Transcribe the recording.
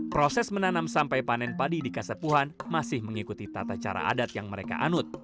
proses menanam sampai panen padi di kasepuhan masih mengikuti tata cara adat yang mereka anut